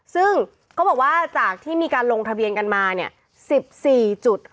ซึ่งเขาบอกว่าจากที่มีการลงทะเบียนกันมาเนี่ย๑๔จุด